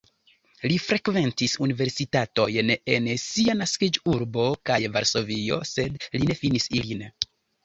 Li frekventis universitatojn en sia naskiĝurbo kaj Varsovio, sed li ne finis ilin.